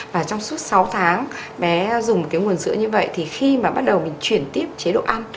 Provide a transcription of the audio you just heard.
và trong suốt sáu tháng bé dùng cái nguồn sữa như vậy thì khi mà bắt đầu mình chuyển tiếp chế độ ăn